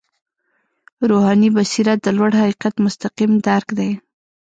روحاني بصیرت د لوړ حقیقت مستقیم درک دی.